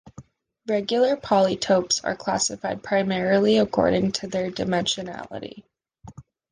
Regular polytopes are classified primarily according to their dimensionality.